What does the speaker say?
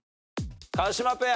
川島ペア。